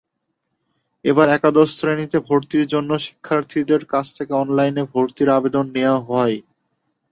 এবারে একাদশ শ্রেণিতে ভর্তির জন্য শিক্ষার্থীদের কাছ থেকে অনলাইনে ভর্তির আবেদন নেওয়া হয়।